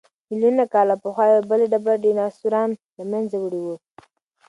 ملیونونه کاله پخوا یوې بلې ډبرې ډیناسوران له منځه وړي وو.